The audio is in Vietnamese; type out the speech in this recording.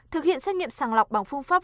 thực hiện xét nghiệm sàng lọc bằng phương pháp